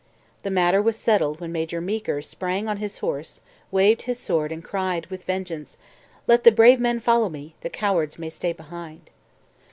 The matter was settled when Major Meeker sprang on his horse, waved his sword, and cried with vehemence: 'Let the brave men follow me, the cowards may stay behind.'